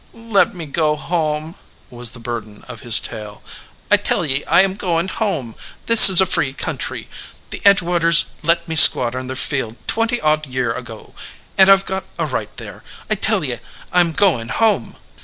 "Let me go home," was the burden of his tale. "I tell ye, I am going home. This is a free country. The Edgewaters let me squat on their field twenty odd year ago, and I ve got a right there. I tell ye I m goin home